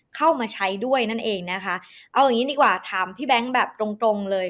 เข้ามาใช้ด้วยนั่นเองนะคะเอาอย่างงี้ดีกว่าถามพี่แบงค์แบบตรงตรงเลย